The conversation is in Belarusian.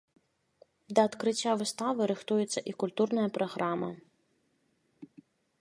Да адкрыцця выставы рыхтуецца і культурная праграма.